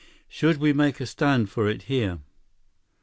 Should we make a stand for it here?"